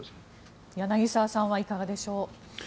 柳澤さんはいかがでしょう。